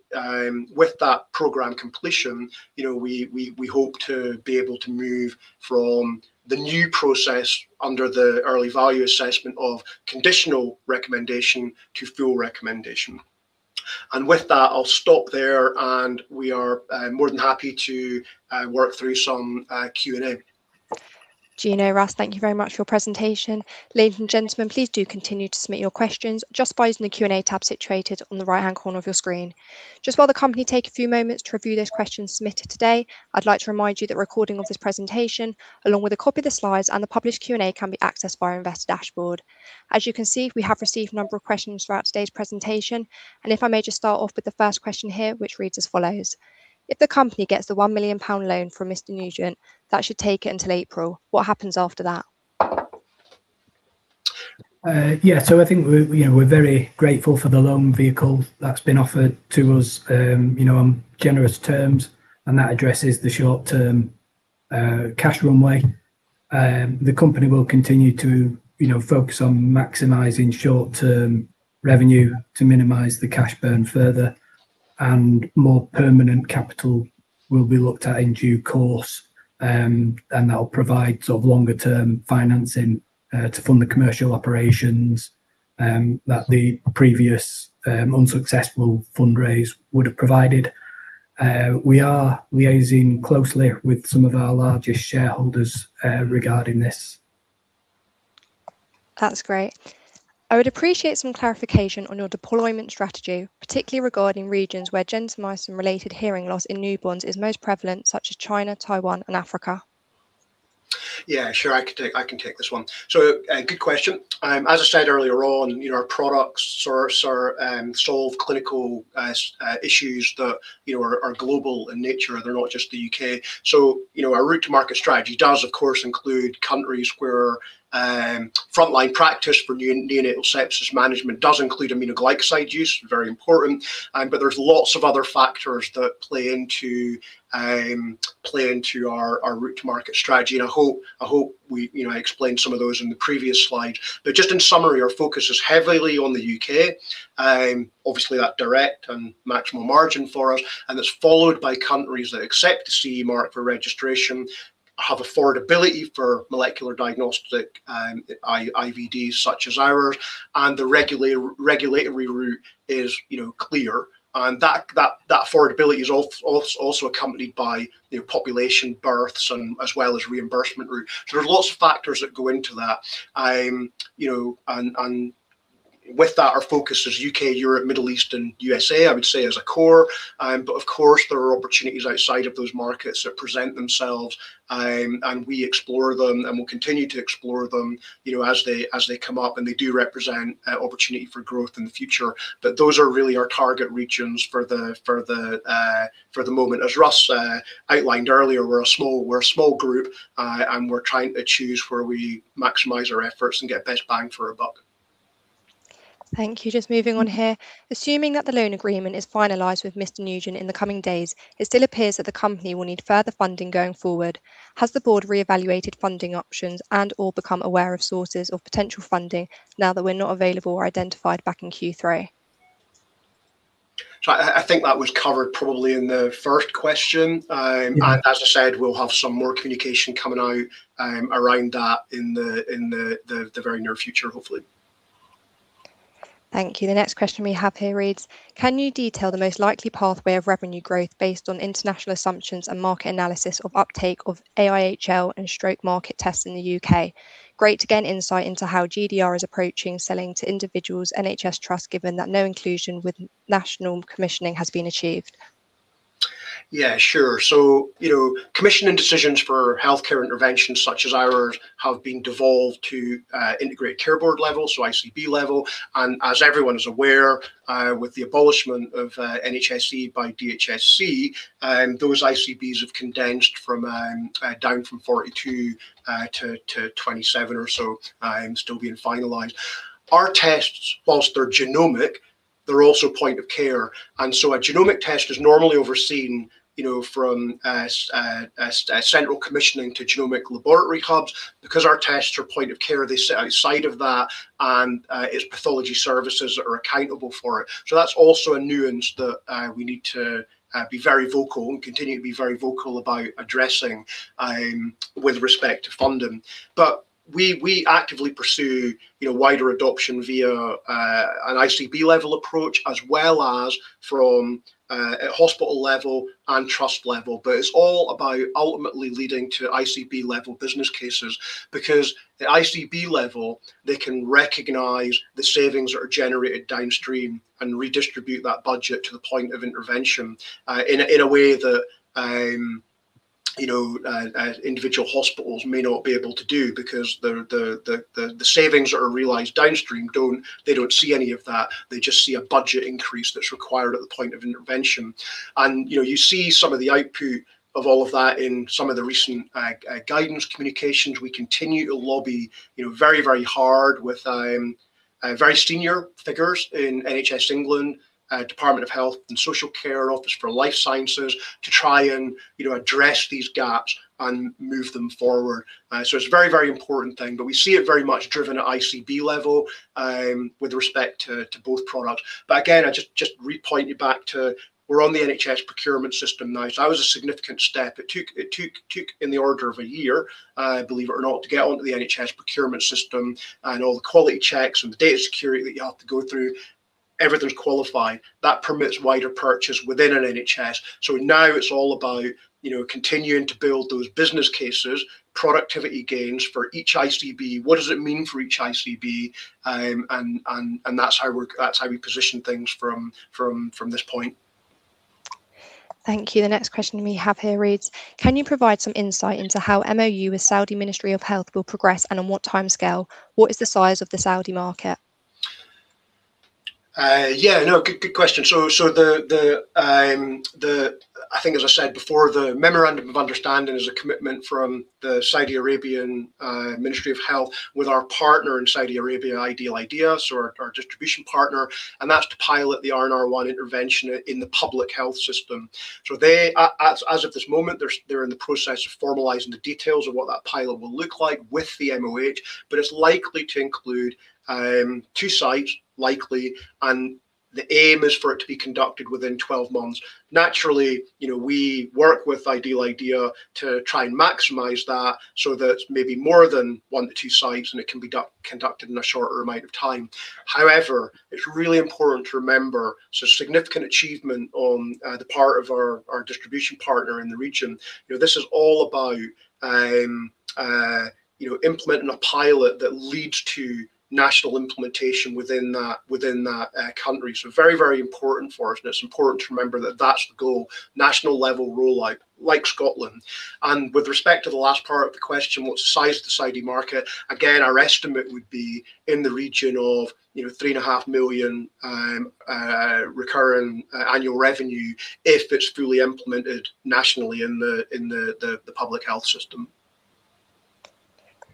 with that program completion, we hope to be able to move from the new process under the early value assessment of conditional recommendation to full recommendation. And with that, I'll stop there, and we are more than happy to work through some Q&A. Gino and Russ, thank you very much for your presentation. Ladies and gentlemen, please do continue to submit your questions just by using the Q&A tab situated on the right-hand corner of your screen. Just while the company takes a few moments to review those questions submitted today, I'd like to remind you that recording of this presentation, along with a copy of the slides and the published Q&A, can be accessed via our investor dashboard. As you can see, we have received a number of questions throughout today's presentation, and if I may just start off with the first question here, which reads as follows: If the company gets the 1 million pound loan from Mr. Nugent, that should take it until April. What happens after that? Yeah, so I think we're very grateful for the loan vehicle that's been offered to us on generous terms, and that addresses the short-term cash runway. The company will continue to focus on maximizing short-term revenue to minimize the cash burn further, and more permanent capital will be looked at in due course, and that will provide sort of longer-term financing to fund the commercial operations that the previous unsuccessful fundraise would have provided. We are liaising closely with some of our largest shareholders regarding this. That's great. I would appreciate some clarification on your deployment strategy, particularly regarding regions where gentamicin-related hearing loss in newborns is most prevalent, such as China, Taiwan, and Africa. Yeah, sure, I can take this one, so good question. As I said earlier on, our products solve clinical issues that are global in nature. They're not just the U.K., so our route to market strategy does, of course, include countries where frontline practice for neonatal sepsis management does include aminoglycoside use, very important, but there's lots of other factors that play into our route to market strategy, and I hope I explained some of those in the previous slide. But just in summary, our focus is heavily on the U.K. Obviously, that's direct and maximum margin for us, and it's followed by countries that accept the CE mark for registration, have affordability for molecular diagnostic IVDs such as ours, and the regulatory route is clear, and that affordability is also accompanied by population births as well as reimbursement route, so there's lots of factors that go into that. And with that, our focus is U.K., Europe, Middle East, and USA, I would say, as a core. But of course, there are opportunities outside of those markets that present themselves, and we explore them and will continue to explore them as they come up, and they do represent an opportunity for growth in the future. But those are really our target regions for the moment. As Russ outlined earlier, we're a small group, and we're trying to choose where we maximize our efforts and get best bang for our buck. Thank you. Just moving on here. Assuming that the loan agreement is finalized with Mr. Nugent in the coming days, it still appears that the company will need further funding going forward. Has the board reevaluated funding options and/or become aware of sources of potential funding now that we're not available or identified back in Q3? I think that was covered probably in the first question, and as I said, we'll have some more communication coming out around that in the very near future, hopefully. Thank you. The next question we have here reads, Can you detail the most likely pathway of revenue growth based on international assumptions and market analysis of uptake of AIHL and stroke market tests in the U.K.? Great. Again, insight into how GDR is approaching selling to individual NHS trusts given that no inclusion with national commissioning has been achieved. Yeah, sure. Commissioning decisions for healthcare interventions such as ours have been devolved to Integrated Care Board level, so ICB level. As everyone is aware, with the abolishment of CCGs by DHSC, those ICBs have condensed down from 42 to 27 or so, still being finalized. Our tests, whilst they're genomic, they're also point of care. A genomic test is normally overseen from central commissioning to genomic laboratory hubs. Because our tests are point of care, they sit outside of that, and it's pathology services that are accountable for it. That's also a nuance that we need to be very vocal and continue to be very vocal about addressing with respect to funding. We actively pursue wider adoption via an ICB level approach as well as from hospital level and trust level. It's all about ultimately leading to ICB level business cases. Because at ICB level, they can recognize the savings that are generated downstream and redistribute that budget to the point of intervention in a way that individual hospitals may not be able to do because the savings that are realized downstream, they don't see any of that. They just see a budget increase that's required at the point of intervention. You see some of the output of all of that in some of the recent guidance communications. We continue to lobby very, very hard with very senior figures in NHS England, Department of Health and Social Care, Office for Life Sciences to try and address these gaps and move them forward. It's a very, very important thing. We see it very much driven at ICB level with respect to both products. Again, I just repoint you back to we're on the NHS procurement system now. So that was a significant step. It took in the order of a year, believe it or not, to get onto the NHS procurement system and all the quality checks and the data security that you have to go through. Everything's qualified. That permits wider purchase within an NHS. So now it's all about continuing to build those business cases, productivity gains for each ICB. What does it mean for each ICB? And that's how we position things from this point. Thank you. The next question we have here reads, "Can you provide some insight into how MOU with Saudi Ministry of Health will progress and on what timescale? What is the size of the Saudi market? Yeah, no, good question. I think, as I said before, the memorandum of understanding is a commitment from the Saudi Arabian Ministry of Health with our partner in Saudi Arabia, Ideal Ideas, or our distribution partner. And that's to pilot the RNR1 intervention in the public health system. So as of this moment, they're in the process of formalizing the details of what that pilot will look like with the MOH. But it's likely to include two sites, likely, and the aim is for it to be conducted within 12 months. Naturally, we work with Ideal Ideas to try and maximize that so that it's maybe more than one to two sites, and it can be conducted in a shorter amount of time. However, it's really important to remember, so significant achievement on the part of our distribution partner in the region. This is all about implementing a pilot that leads to national implementation within that country. So very, very important for us, and it's important to remember that that's the goal, national level rollout like Scotland. And with respect to the last part of the question, what's the size of the Saudi market? Again, our estimate would be in the region of 3.5 million recurring annual revenue if it's fully implemented nationally in the public health system.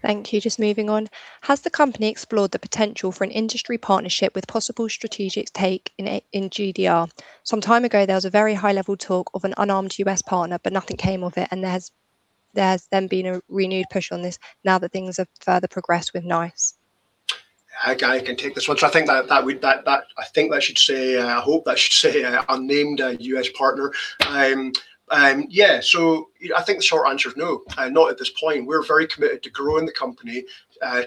Thank you. Just moving on. Has the company explored the potential for an industry partnership with possible strategic takeover of GDR? Some time ago, there was a very high-level talk of an unnamed US partner, but nothing came of it, and there's then been a renewed push on this now that things have further progressed with NICE. I can take this one. So I think that I should say unnamed U.S. partner. Yeah, so I think the short answer is no, not at this point. We're very committed to growing the company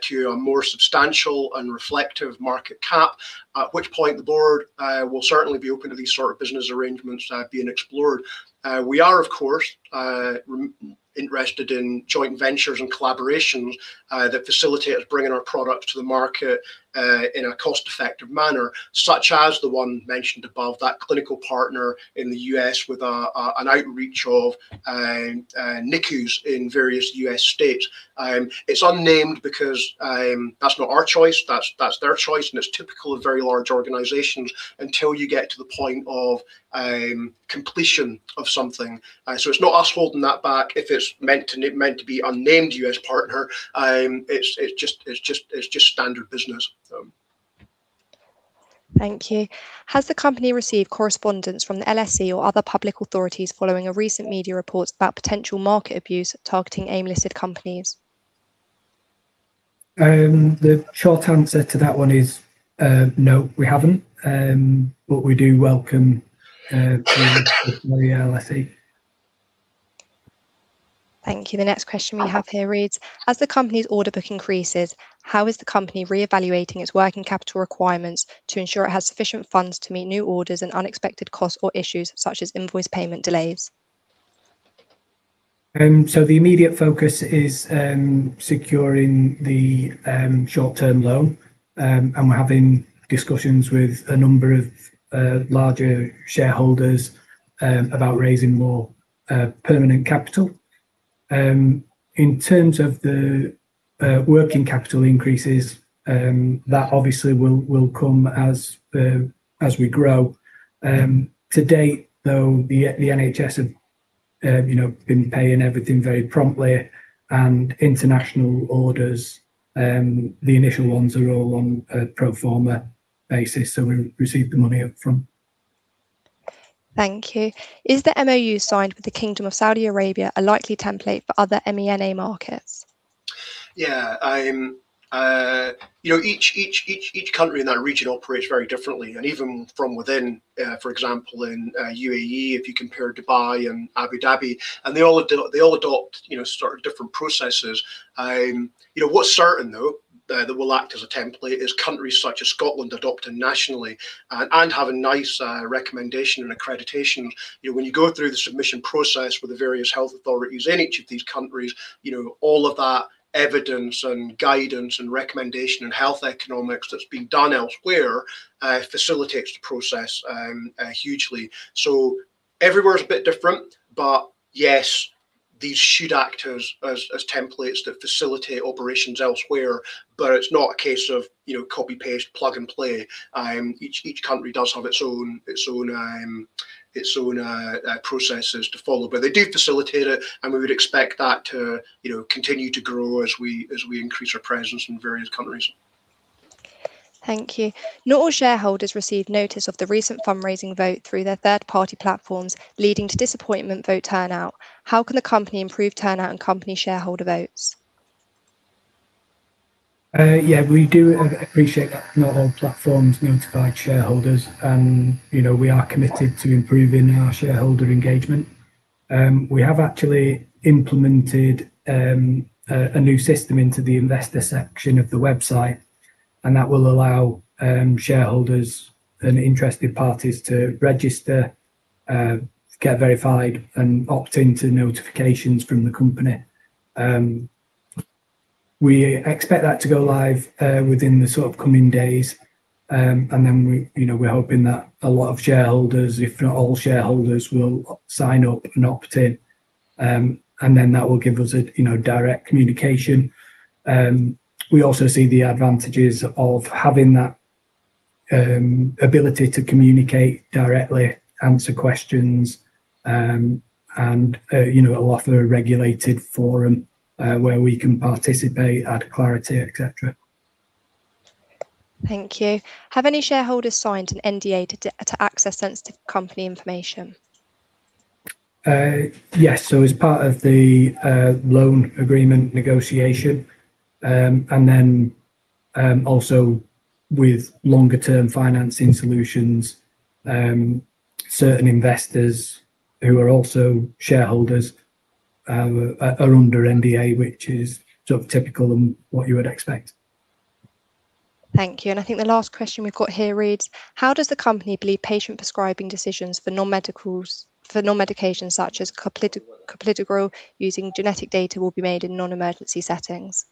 to a more substantial and reflective market cap, at which point the board will certainly be open to these sort of business arrangements being explored. We are, of course, interested in joint ventures and collaborations that facilitate us bringing our products to the market in a cost-effective manner, such as the one mentioned above, that clinical partner in the U.S. with an outreach of NICUs in various U.S. states. It's unnamed because that's not our choice. That's their choice, and it's typical of very large organizations until you get to the point of completion of something. So it's not us holding that back if it's meant to be unnamed U.S. partner. It's just standard business. Thank you. Has the company received correspondence from the LSE or other public authorities following a recent media report about potential market abuse targeting AIM-listed companies? The short answer to that one is no, we haven't, but we do welcome the LSE. Thank you. The next question we have here reads, as the company's order book increases, how is the company reevaluating its working capital requirements to ensure it has sufficient funds to meet new orders and unexpected costs or issues such as invoice payment delays? So the immediate focus is securing the short-term loan, and we're having discussions with a number of larger shareholders about raising more permanent capital. In terms of the working capital increases, that obviously will come as we grow. To date, though, the NHS have been paying everything very promptly, and international orders, the initial ones are all on a pro forma basis, so we receive the money upfront. Thank you. Is the MOU signed with the Kingdom of Saudi Arabia a likely template for other MENA markets? Yeah. Each country in that region operates very differently, and even from within, for example, in UAE, if you compare Dubai and Abu Dhabi, and they all adopt sort of different processes. What's certain, though, that will act as a template is countries such as Scotland adopting nationally and having NICE recommendation and accreditation. When you go through the submission process with the various health authorities in each of these countries, all of that evidence and guidance and recommendation and health economics that's being done elsewhere facilitates the process hugely. So everywhere is a bit different, but yes, these should act as templates that facilitate operations elsewhere, but it's not a case of copy, paste, plug and play. Each country does have its own processes to follow, but they do facilitate it, and we would expect that to continue to grow as we increase our presence in various countries. Thank you. Not all shareholders receive notice of the recent fundraising vote through their third-party platforms, leading to disappointing vote turnout. How can the company improve turnout and company shareholder votes? Yeah, we do appreciate that not all platforms notify shareholders, and we are committed to improving our shareholder engagement. We have actually implemented a new system into the investor section of the website, and that will allow shareholders and interested parties to register, get verified, and opt into notifications from the company. We expect that to go live within the sort of coming days, and then we're hoping that a lot of shareholders, if not all shareholders, will sign up and opt in, and then that will give us direct communication. We also see the advantages of having that ability to communicate directly, answer questions, and a lot of regulated forum where we can participate, add clarity, etc. Thank you. Have any shareholders signed an NDA to access sensitive company information? Yes. So as part of the loan agreement negotiation, and then also with longer-term financing solutions, certain investors who are also shareholders are under NDA, which is sort of typical and what you would expect. Thank you. And I think the last question we've got here reads, how does the company believe patient prescribing decisions for known medications such as clopidogrel using genetic data will be made in non-emergency settings?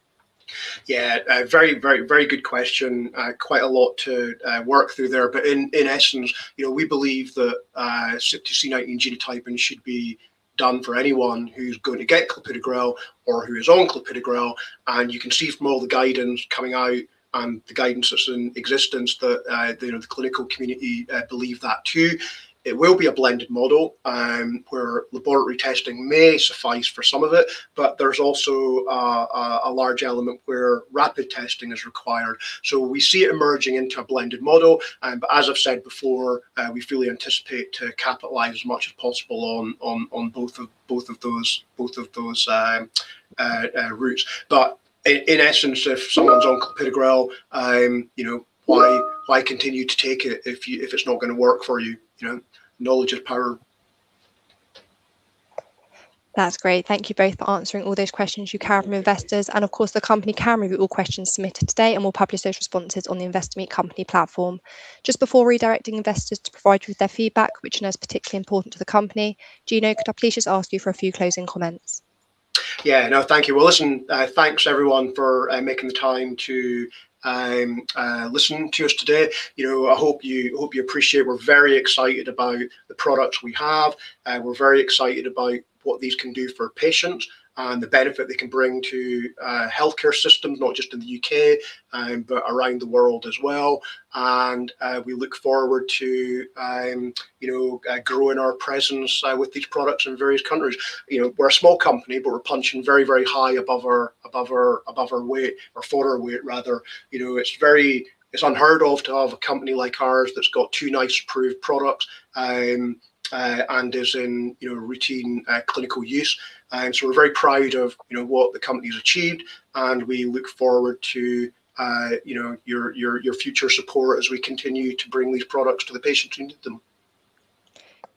Yeah, very good question. Quite a lot to work through there. But in essence, we believe that CYP2C19 genotyping should be done for anyone who's going to get clopidogrel or who is on clopidogrel. And you can see from all the guidance coming out and the guidance that's in existence that the clinical community believe that too. It will be a blended model where laboratory testing may suffice for some of it, but there's also a large element where rapid testing is required. So we see it emerging into a blended model. But as I've said before, we fully anticipate to capitalize as much as possible on both of those routes. But in essence, if someone's on clopidogrel, why continue to take it if it's not going to work for you? Knowledge is power. That's great. Thank you both for answering all those questions that came from investors. Of course, the company can review all questions submitted today and will publish those responses on the Investor Meet Company platform. Just before redirecting investors to provide you with their feedback, which is particularly important to the company, Gino, could I please just ask you for a few closing comments? Yeah. No, thank you, Willis. And thanks, everyone, for making the time to listen to us today. I hope you appreciate we're very excited about the products we have. We're very excited about what these can do for patients and the benefit they can bring to healthcare systems, not just in the U.K., but around the world as well. And we look forward to growing our presence with these products in various countries. We're a small company, but we're punching very, very high above our weight or for our weight, rather. It's unheard of to have a company like ours that's got two NICE-approved products and is in routine clinical use. So we're very proud of what the company has achieved, and we look forward to your future support as we continue to bring these products to the patients who need them.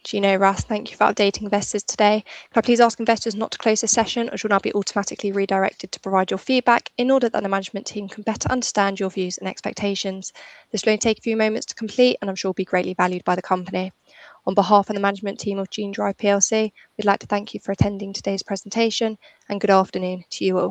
Gino, Russ, thank you for updating investors today. Could I please ask investors not to close the session, or should I be automatically redirected to provide your feedback in order that the management team can better understand your views and expectations? This will only take a few moments to complete, and I'm sure it will be greatly valued by the company. On behalf of the management team of Genedrive PLC, we'd like to thank you for attending today's presentation, and good afternoon to you all.